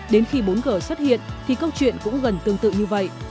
đến khi bốn g xuất hiện thì câu chuyện cũng gần tương tự như vậy